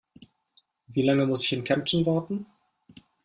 Wie lange muss ich in Kempten warten?